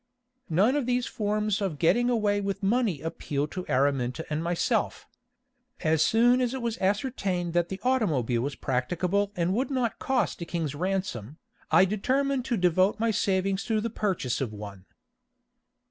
None of these forms of getting away with money appeal to Araminta and myself. As soon as it was ascertained that the automobile was practicable and would not cost a king's ransom, I determined to devote my savings to the purchase of one.